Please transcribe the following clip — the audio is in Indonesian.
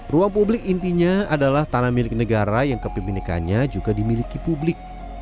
ruang publik intinya adalah tanah milik negara yang kepemilikannya juga dimiliki publik